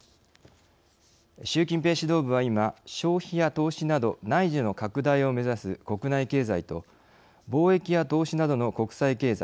習近平指導部は今消費や投資など内需の拡大をめざす国内経済と貿易や投資などの国際経済